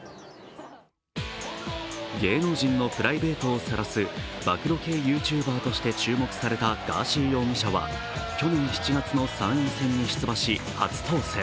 芸能人のプライベートをさらす暴露系ＹｏｕＴｕｂｅｒとして注目されたガーシー容疑者は去年７月の参院選に出馬し初当選。